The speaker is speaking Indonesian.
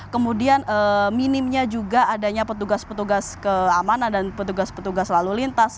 kemudian minimnya juga adanya petugas petugas keamanan dan petugas petugas lalu lintas